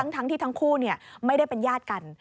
ทั้งที่ทั้งคู่ไม่ได้เป็นญาติกัน